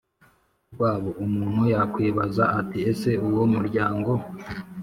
rwabo. Umuntu yakwibaza ati: “Ese uwo muryango